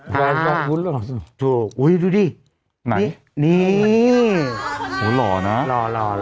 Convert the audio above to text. แฟนวุ้นหรอถูกโอ้ยดูดิไหนนี่โอ้หรอนะหรอหรอหรอ